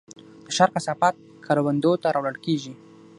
د ښار کثافات کروندو ته راوړل کیږي؟